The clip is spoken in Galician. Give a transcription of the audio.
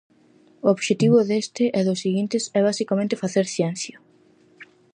O obxectivo deste e dos seguintes é basicamente facer ciencia.